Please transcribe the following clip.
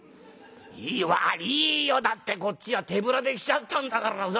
いいいよだってこっちは手ぶらで来ちゃったんだからさ。